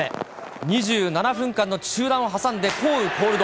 ２７分間の中断を挟んで降雨コールド。